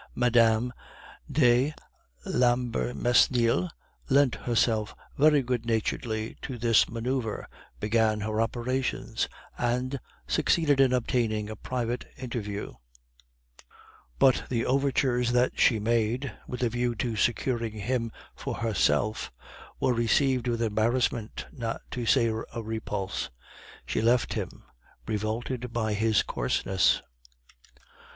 Mme. de l'Ambermesnil lent herself very good naturedly to this manoeuvre, began her operations, and succeeded in obtaining a private interview; but the overtures that she made, with a view to securing him for herself, were received with embarrassment, not to say a repulse. She left him, revolted by his coarseness.